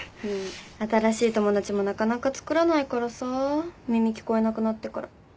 新しい友達もなかなかつくらないからさ耳聞こえなくなってから。